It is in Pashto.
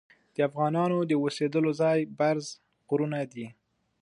د افغانانو د اوسیدلو ځای برز غرونه دي.